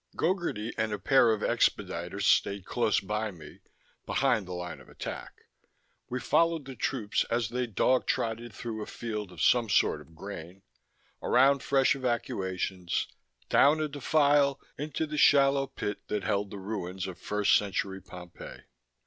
Gogarty and a pair of expediters stayed close by me, behind the line of attack; we followed the troops as they dog trotted through a field of some sort of grain, around fresh excavations, down a defile into the shallow pit that held the ruins of first century Pompeii.